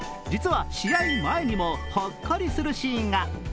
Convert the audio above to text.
実は試合前にもほっこりするシーンが。